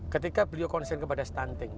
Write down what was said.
ketika beliau konsen kepada stunting